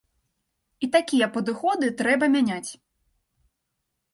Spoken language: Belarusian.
І такія падыходы трэба мяняць.